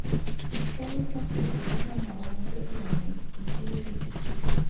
ishyari no kwifuza mwana wanjye uramenye (ubyirinde)